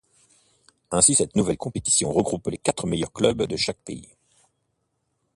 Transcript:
Ainsi, cette nouvelle compétition regroupe les quatre meilleurs clubs de chaque pays.